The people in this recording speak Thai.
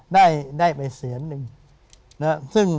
ได้ไปเสียหนึ่ง